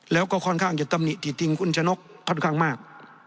แล้วก็ค่อนข้างจะตำหนิติติงคุณชะนกค่อนข้างมาก